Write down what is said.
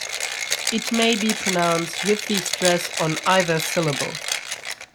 It may be pronounced with the stress on either syllable.